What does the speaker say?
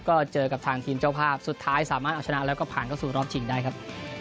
ก็เจอกับทางทีมเจ้าภาพสุดท้ายสามารถเอาชนะแล้วก็ผ่านเข้าสู่รอบชิงได้ครับ